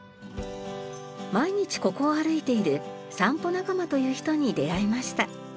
毎日ここを歩いている散歩仲間という人に出会いました。